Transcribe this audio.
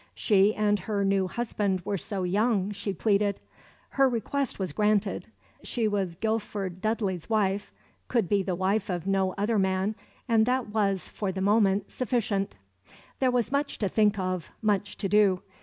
She and her new husband were so young, she pleaded. Her request was granted. She was Guilford Dudley's wife, could be the wife of no other man, and that was, for the moment, sufficient. There was much to think of, much to do.